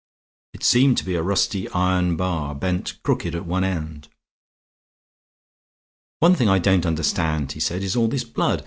It seemed to be a rusty iron bar bent crooked at one end. "One thing I don't understand," he said, "is all this blood.